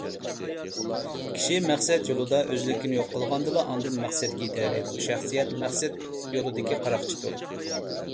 كىشى مەقسەت يولىدا ئۆزلۈكىنى يوق قىلغاندىلا، ئاندىن مەقسەتكە يېتەلەيدۇ. شەخسىيەت مەقسەت يولىدىكى قاراقچىدۇر.